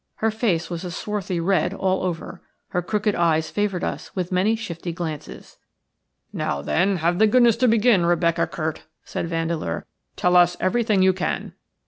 Her face was a swarthy red all over. Her crooked eyes favoured us with many shifty glances. "Now, then, have the goodness to begin, Rebecca Curt," said Vandeleur. "Tell us everything you can."